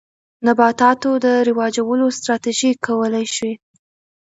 نباتاتو د رواجولو ستراتیژۍ کولای شي.